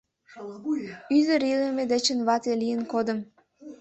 Ӱдыр илыме дечын вате лийын кодым.